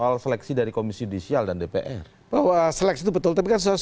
terima kasih pak gaius